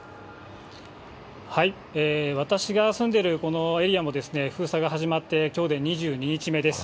私が住んでいるこのエリアも、封鎖が始まって、きょうで２２日目です。